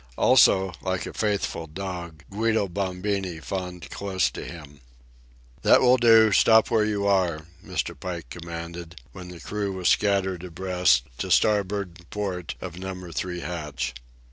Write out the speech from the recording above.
Also, like a faithful dog, Guido Bombini fawned close to him. "That will do—stop where you are," Mr. Pike commanded, when the crew was scattered abreast, to starboard and to port, of Number Three hatch.